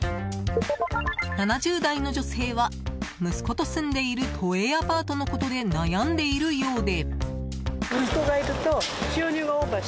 ７０代の女性は息子と住んでいる都営アパートのことで悩んでいるようで。